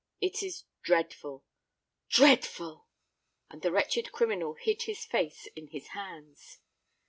It is dreadful—dreadful!"—and the wretched criminal hid his face in his hands.